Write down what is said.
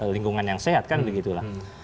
lingkungan yang sehat kan begitu lah